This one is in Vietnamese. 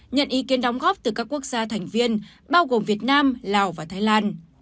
nhận ý kiến đóng góp từ các quốc gia thành viên bao gồm việt nam lào và thái lan